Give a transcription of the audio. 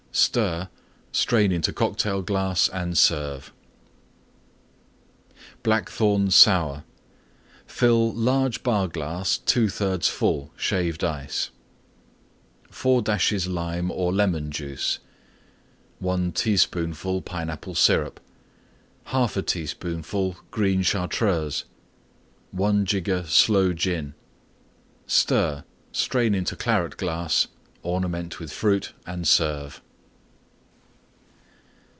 Stir; strain into Cocktail glass and serve. BLACKTHORNE SOUR Fill large Bar glass 2/3 full Shaved Ice. 4 dashes Lime or Lemon Juice. 1 teaspoonful Pineapple Syrup. 1/2 teaspoonful green Chartreuse. 1 jigger Sloe Gin. Stir; strain into Claret glass; ornament with Fruit and serve.